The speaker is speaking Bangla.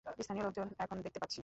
স্থানীয় লোকজন এখন দেখতে পাচ্ছি।